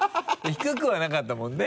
低くはなかったもんね。